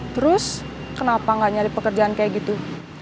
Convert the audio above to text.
terus kenapa gak nyari pekerjaan kayak gitu